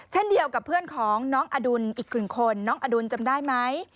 เช่นเดียวกับเพื่อนของน้องอดุลอีกหนึ่งคนน้องอดุลจำได้ไหม